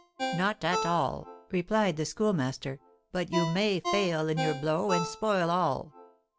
"Not at all," replied the Schoolmaster. "But you may fail in your blow and spoil all."